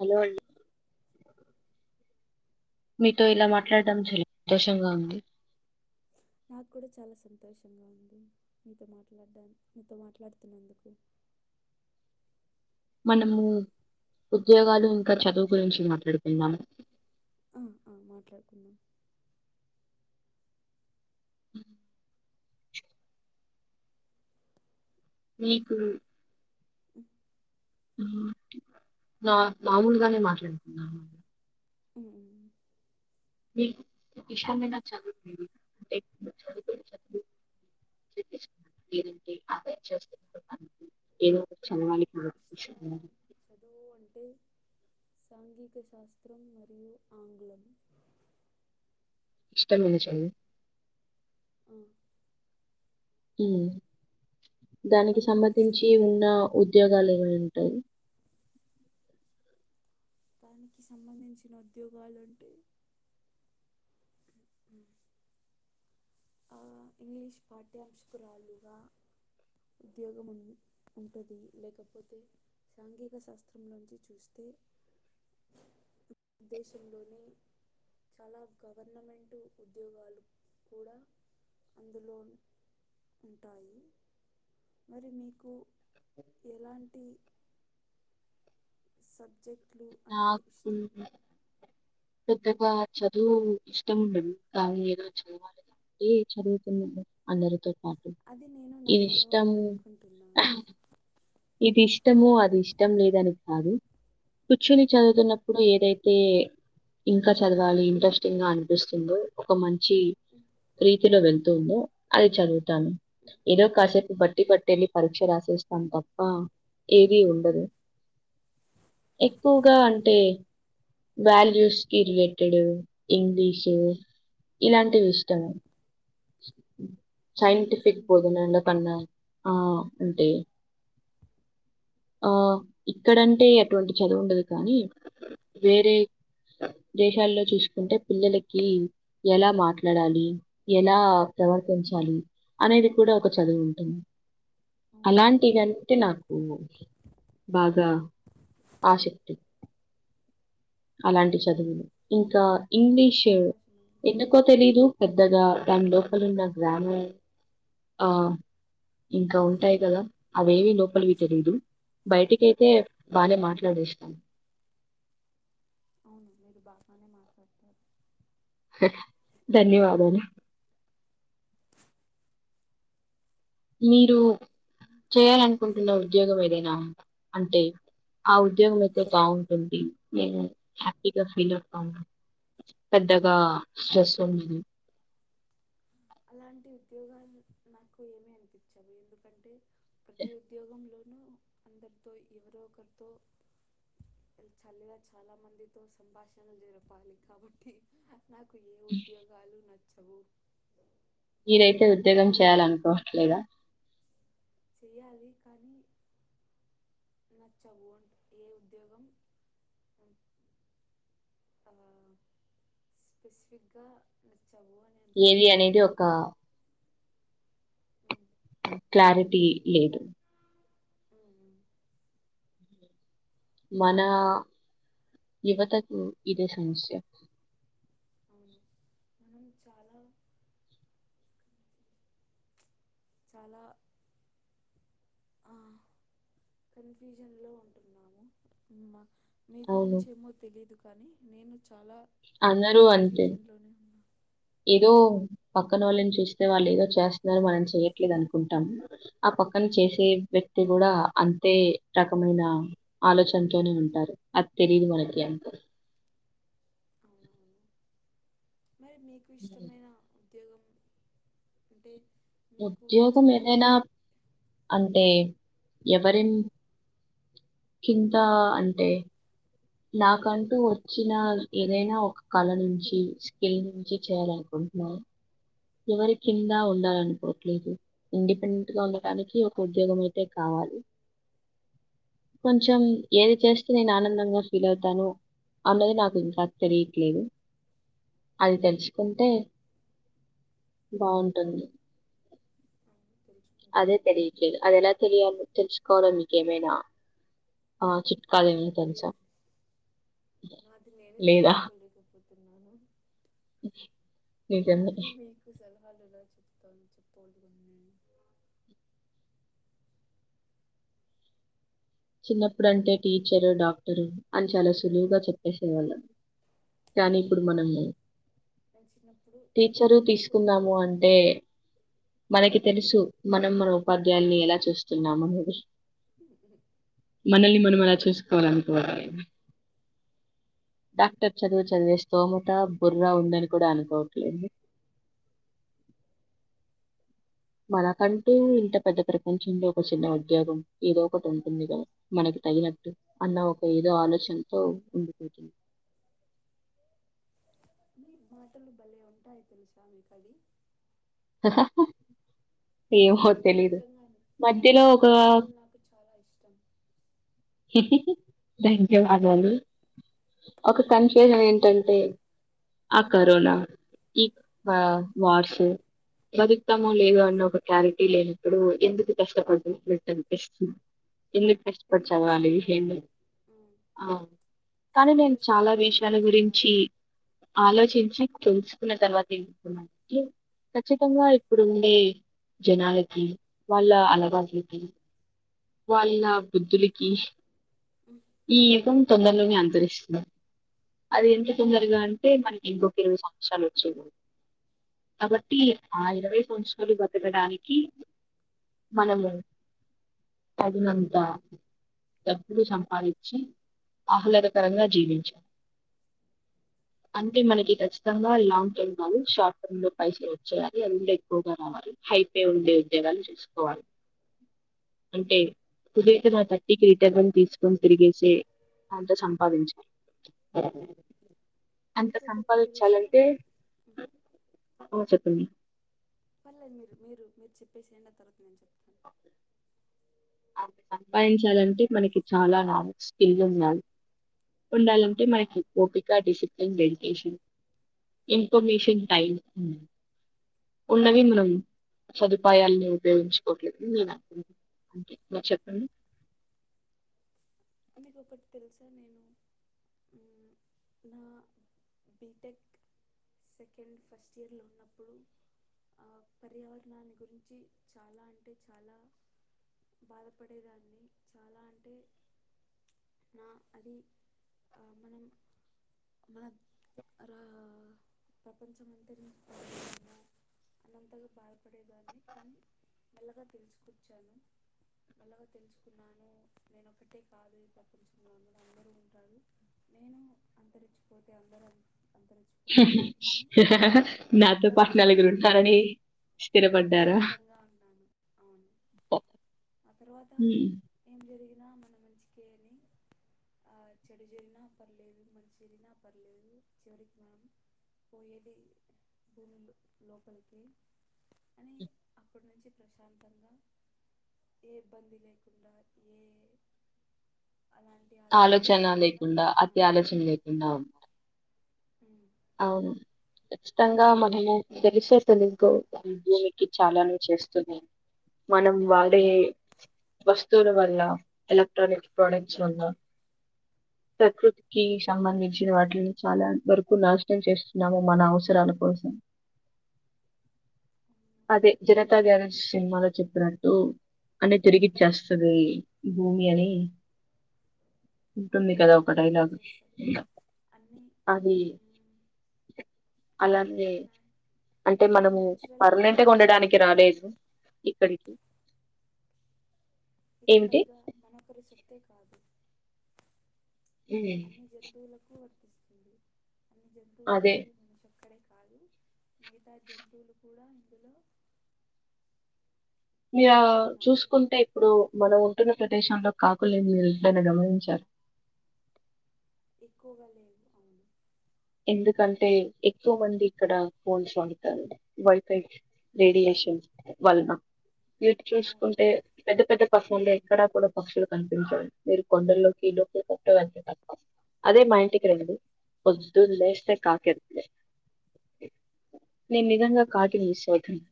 Hello మీతో ఇలా hello మాట్లాడటం చ సంతోషంగా ఉంది నాకు కూడా చాలా సంతోషంగా ఉంది మీతో మాట్లాడడా మీతో మాట్లాడుతున్నందుకు మనము ఉద్యోగాలు ఇంకా చదువు గురించి మాట్లాడుకుందాము ఆ మాట్లాడుకుందాం హ నీ గురు ఆ నా మామూలుగానే మాట్లాడుతున్నాలుగా ఉమ్, ఉమ్. ఇషాన్నా చ చ చ ంటి అదే చేస్తున్నారు అ నాకు ఇష్టమైన చదువు అంటే సాంఘిక శాస్త్రం మరియు ఆంగ్లం ఇష్టా మ చ ఆఓ దానికి మరి మీకు ఇష్టం సంబంధించి ఉన్న ఉద్యోగాలు ంటాయి దానికి సంబంధించిన ఉద్యోగాలు అంటే ఇంగ్లీష్ పాఠ్యాంశకురాలుుగా ఉద్యోగం ఉ ఉంటుంది లేకపోతే సాంఘిక శాస్త్రం నుంచి చూస్తే [inaudible] దేశంలోని చాలా గవర్నమెంట్ ఉద్యోగాలు కూడా అందులో ఉంటాయి మరి మీకు ఎలాంటి సబ్జెక్టులు అంటే ఇష్టం నాకు పెద్దగా చదువు ఇష్టం ఉండదు కానీ ఏదో చదువాల ఏ చదువుతు అందరితో పాటు. అది నేను ఇది నమ్మను అని ఇష్టము అనుకుంటున్నాను ఇది ఇష్టముో అది ఇష్టం లేదని కాదు కూర్చుని చదువుతున్నప్పుడు ఏ యితే ఇంకా చదవాలి ఇంట్రెస్టింగ్ గా అనిపిస్తుందిో ఒక మంచి రీతిలో వెళ్తుందో అది చదువుతాను ఏదో కాసేపు బట్టి పట్టలి పరీక్ష రాసిస్తాంట ఆ ఏది ఉండదు ఎక్కువగా నిజమే అంటే అది వాల్యూస్ కి ఇట్ డు ఇంగ్లీషు ఇలాంటివి ఇష్టం వాల్యూస్కి సైన్ంటిఫక్ రిలేటెడ్ పోదున్నా పన్న ఆ అంటంటే ఆ ఇక్కడంటే అటువంటి చదువు ఉండదు కానీ వేరే దేశాల్లో చూసుకుంటే పిల్లలకి ఎలా మాట్లాడాలి ఎలా ప్రవర్తించాలి అనేది కూడా ఒక చదువు ఉంటుంది అవును అలాంటివింటేనా బాగా ఆశక్తి అలాంటి చదువులు ఇంకా చాలా ఇంగ్లీషు సంతోషమైంది ఎందుకో తెలీదు పెద్దగా దాని లోపల ఉన్న జ్ఞానం ఆ ఇంకా ఉంటాయి కదా అవేవి లోపలివి తెలీదు బయటికి అయితే బానే మాట్లాడేస్తాను అవును మీరు బాగానే మాట్లాడతారు ధన్యవాదములు మీరు చేయాలనుకుంటున్న ఉద్యోగం ఏదైనా అంటే ఆ ఉద్యోగం అయితే బాగుంటుంది నేను హ్యాపీగ ఫీల్ అవుతా ఉంట పెద్దగా స్ట్రెస్సుండదు అలాంటి ఉద్యోగాలు నాకు ఏమి అనిపించవు ఎందుకంటే ప్రతి ఉద్యోగంలోనూ అందరితో ఎవరో ఒకరితో చల్లిగా చాలా మందితో సంభాషణలు జరపాలి కాబట్టి నాకు ఏ ఉద్యోగాలు నచ్చవు మీరైతే ఉద్యోగం చేయాలనుకోవట్లేదా చెయాలి కానీ నచ్చవు ఏ ఉద్యోగం స్పెసిఫిక్ గా ఏది అనేది ఒక [inaudible] క్లారిటీ లేదు అ మన యువతకు ఇదే సమస్య అవును మనం చాలా చాలా కన్ఫ్యూజన్లో ఉంటున్నాము మీ అవును గురించి ఏమో తెలీదు కానీ నేను చాలా అందరూ అంతే కన్ఫ్యూజన్లోనే ఉన్నా ఏదో పక్కన వాళ్ళని చూస్తే వాళ్ళు ఏదో చేస్తున్నారు మనం చేయట్లేదు అనుకుంటాము పక్కన చేసే వ్యక్తి కూడా అంతే రకమైన ఆలోచనతోనే ఉంటారు అధితెలీదు మనకి అవునవును మరి మీకు ఇష్టమైన ఉద్యోగం అంటే మీకు ఉద్యోగం చే ఏదనా అంటే ఎవరిం కింత అంటే నాకంటూ వచ్చిన ఏదైనా ఒక కళ నుంచి స్కిల్ నుంచి చేయాలనుకుంటు హలో ఎవరి కింద ఉండాలనుకోవట్లేదు ఇండిపెండెంట్ గా ఉండటానికి ఒక ఉద్యోగం అయితే కావాలి కొంచెం ఏది చేస్తే నేను ఆనందంగా ఫీల్ అవుతాను అనేది నాకు ఇంకా తెలిట్లేదు అది తెలుసుకుంటే బాగుంటుంది ఆ, తెలుసుకుంటాం అదే మనం తెలియట్లేదు అదెలా తెలియాలి తెలుసుకోవాలో మీకేమేనా అదేమైనా తెలుసా లేదు నాది నేనే లేదా తెలుసుకోలేకపోతున్నాను ఏంటండి హాలలో చిత్రత చెప్పల్ట్ గు చిన్నప్పుడంటే టీచరు డాక్టరు అని చాలా సులువుగా చెప్పేసేవాళ్ళం కానీ చి- ఇప్పుడు మనం అవును నేను చిన్నప్పుడు టీచరు ఒక్కొక్క తీసుకుందాము అంటే మనకి తెలుసు మనం మన ఉపాధ్యాయుల్ని ఎలా చూస్తున్నాం అనేది ఉ మనల్ని మనం అలా చూసుకోవాలనుకోవాలి డాక్టర్ చదువు చదివేస్తోముత బుర్రా ఉందని కూడా అనుకోవట్లేదు మనకంటూ ఇంత పెద్ద ప్రపంచంలో ఒక చిన్న ఉద్యోగం ఏదో ఒకటి ఉంటుంది కదా మనకి తగినట్టు అన్న ఒక ఏదో ఆలోచనతో ఉండిపోతుంది మీ మాటలు భలే ఉంటాయి తెలుసా మీకు అది నిజంగానే మధ్యలో మీ ఒక మాటలు నాకు చాలా ఇష్టం ధన్యవాదాలు ఒక సంక్షేజం ఏంటంటే ఆ కరోనా ఈ ఉమ్. వార్ష బతుకుతామో లేదో అన్న ఒక క్లారిటీ లేనప్పుడు ఎందుకు కష్టపడ్డం అనిపిస్తుంది ఎందుకు ఇష్టపడి ఎందుకు చదవాలి కష్టపడడం ఏను ఉమ్. కానీ నేను సంతోషంగా చాలా విషయాల బతకొచ్చు కదా గురించి అని ఉమ్, ఆలోచించి తెలుసుకున్న తర్వాతె ఖచ్చితంగా ఉమ్, ఇప్పుడు ఉండే జనాలకి వాళ్ళ ఉమ్, అలవాట్లకి వాళ్ళ బుద్ధులకి ఉమ్. ఈ యుగం తొందరలోనే అంతరిస్తుంది అది ఎంత తొందరగా నిజమే అంటే మనకి ఇంకొక ఇరవై సంవత్సరాలు వచ్చేలోపు. కాబట్టి ఆ ఇరవై సంవత్సరాలు బతకడానికి మనము తగినంత డబ్బులు సంపాదించి ఆహ్లాదకరంగా జీవించా అంటే మనకి కచ్చితంగా లాంగ్ టర్మ్ కాదు షార్ట్ టర్మ్ లో పైసె వచ్చేయాలి అది ఎక్కువగా రావాలి హైపే ఉండే ఉద్యోగాలు చేసుకోవాలి అంటే కుదైతే మా తట్టీకి రిటర్న్ తీసుకొని తిరిగేసి అంత సంపాదించాలి అంత మీకు ఒకటి తెలుసా సంపాదించాలంటే నా పర్లేదు మ్ చెప్పండి పర్లేదు మీరు మీరు మీరు చెప్పేసేయండి ఆ తర్వాత నేను చెప్ సంపాదించాలంటే మనకి చాలా స్కిల్ ఉండాలి ఉండాలంటే మనకి అవునవును ఓపిక డి సి ఇన్ఫర్మషన్ టైమ్ ఉన్నవి మనం సదుపాయాలని ఉపయోగించుకోవట్లేదు అంతే మీరు చెప్పండి మీకు ఒకటి తెలుసా నేను మ్ నా బీటెక్ సెకండ్ ఫస్ట్ ఇయర్లో ఉన్నప్పుడు ఆ పర్యావరణాన్ని గురించి చాలా అంటే చాలా బాధపడేదాన్ని చాలా అంటే నా అది ఆ మనం మన [unintelligible] [unintelligible] మల్లగా తెలుసుకున్నాను నేను ఒకటే [unintelligible] అంతరించిపోతారు అని హ హ ఆ నాతో తర్వాత బాగున్నాలని చల్లబడి ఉంటారని స్థిరపడ్డారా ప్రశాంతంగా ఉన్నాను అవును ఆ తర్వాత హ్మ్. ఏం జరిగినా మన మంచి [inaudible] ఆ చెడు చెరినా పర్లేదు మంచి జరిినా పర్లేదు చివరికి మనం పో ఏది భూమి లోకలకి అని అప్పటి నుంచి ప్రశాంతంగా ఏ ఇబ్బంది లేకుండా ఏ అలాంటి ఆలోచనలు ఆలోచన లేకుండా అతి ఉన్నాను ఆలోచన లేకుండా ఉన్నా [inaudible] అవును ఖచ్చితంగా మనము తెలిసే తెలుగు భూమికి చాలాను చేస్తున్నాము మనం వాడే వస్తువుల వల్ల ఎలక్ట్రానిక్ ప్రొడక్ట్స్ వల్ల ప్రకృతికి సంబంధించిన వాటిని చాలా వరకు నాశ నాశనం చేస్తున్నాము మన అవసరాల కోసం అవును అదే జనతా గ్యారేజ్ సినిమాలో చెప్పినట్టు అన్ని తిరిగిచ్చేస్తుది భూమి అని ఉంటుంది కదా అవునవును ఒక తిరిగి డైలాగ్ ఇచ్చేస్తాడు అన్నీ అది ఉమ్, అలానే నా- అంటే అన్నీ మనము న్యాచురల్ పర్మనెంట్గా కెలామిటీస్ ఉండడానికి ద్వారా రాలేదు ఇక్కడికి ఇది ఏమిటి పైగా మనకరి సతే కాదు ఉమ్. అదే [unintelligible] కాదు మిగతా జంతువులు కూడా ఇందులో ఆ, య ఉన్నాయి చూసుకుంటే ఇప్పుడు మనం పట్టణ ప్రదేశంలో కాకులేనిదని గమనించారు ఎక్కువగా లేవు అవును ఎందుకంటే ఎక్కువ మంది ఇక్కడ ఫోన్స్ వాడుతారు వైఫై రేడియేషన్ వలన వాళ్ల చూసుకుంటే అవునవును పెద్ద పెద్ద పక్షులుండేవి ఎక్కడ కూడా పక్షులు కనిపించడి మీరు కొండలోకి లోక కట్టంత తప్ప అదే మా ఇంంటికి రండి పొద్దున్నే లేస్తే కాకి అరుపులే నేను నిజంగా కాటిని ఈ శోధను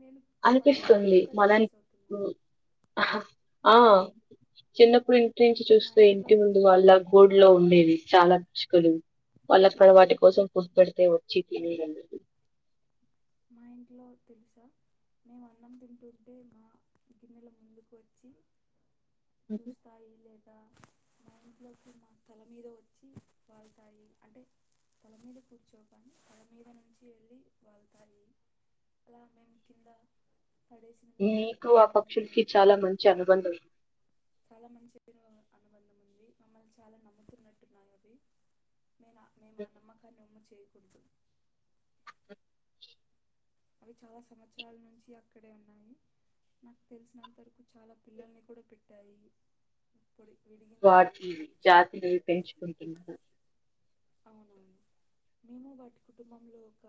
నేను ప- అనిపిస్తుంది పిచ్చుకల్ని మలా మిస్ ఇపు అవుతున్నాను హ హ ఆ చిన్నప్పుడు ఇంటి నుంచి మా చూస్తే ఇంట్లో ఇంటి ముందు పిచ్చుకలు వాళ్ళ గోడ్ లో ఉండేవి చాలా పిచ్చుకలు వాళ్ళక్కడ వాటి అవునవును కోసం ఫుడ్ పెడితే వచ్చి తినేవండి మా ఇంట్లో తెలుసా మేము అన్నం తింటుంటే మా గిన్నెల ముందుకు వచ్చి [unintelligible] చూస్తాయి లేదు [inaudible] ఇంట్కి మా తల మీద వచ్చి వాళ్తాయి అంటే తల మీీద కూర్చోకని తలమీద నుంచి వెళ్ళి వాళ్ళు [unintelligible] మీకు ఆ పక్షులకి చాలా మంచి అనుబంధం ఉ చాలా మంచిరు అనుబంధం ఉంది మమ్మల్ని చాలా నమ్ముతున్నట్టున్నాయి అవి మే మేము ఆ నమ్మకాన్ని ఒమ్ము చేయకూడదుము అవి చాలా సంవత్సరాల నుంచి అక్కడే ఉన్నాయి నాకు తెలిసినంత వరకు చాలా పిల్లల్ని కూడా పెట్టాయి పొడి వాటి విడిగించాయి జాతినివి పెంచుకుంటున్నారు అవునవును మేము వాటి కుటుంబంలో ఒక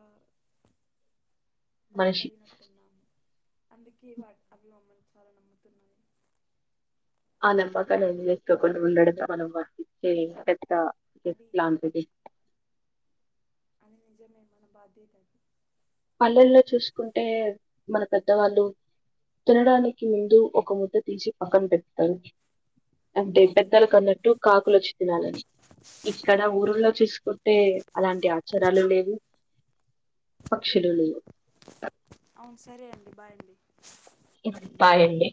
మనిషి పాటయి నటున్నాము అందుకే వా అభిమామ్మలు చాలా నమ్ముతున్నాయి నమ్మకాలు ఎం చేసుకోకుండా ఉండడంతో మనం వర్తించే అది లాంతుది అని నిజమే మన బాధ్యత అది పల్లెల్లో చూసుకుంటే మన ఉమ్, పెద్దవాళ్ళు తినడానికి ముందు ఒక ముఠ తీచి పక్కన పెడతారు అంటే అవును పెద్దలకన్నట్టు కాకులొచ్చి తినాలని ఇక్కడ అవును ఊర్ల్లో చూసుకుంటే అలాంటి ఆచారాలు లేవు. పక్షులుళ అవును సరే అండి బాగుడి బాయండి